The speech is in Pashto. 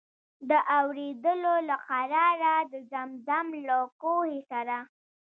د اورېدلو له قراره د زمزم له کوهي سره.